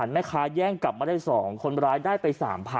แม่ค้าแย่งกลับมาได้๒คนร้ายได้ไป๓๐๐๐